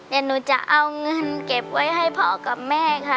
เดี๋ยวหนูจะเอาเงินเก็บไว้ให้พ่อกับแม่ค่ะ